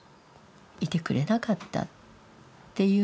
いてくれなかったっていう